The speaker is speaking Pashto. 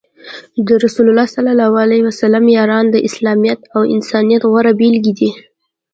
د رسول الله ص یاران د اسلامیت او انسانیت غوره بیلګې دي.